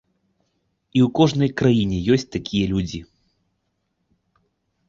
І ў кожнай краіне ёсць такія людзі.